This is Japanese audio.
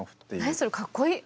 何それかっこいい。